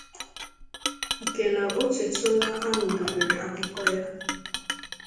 nke na o tètụla a nụdobere akụkọ ya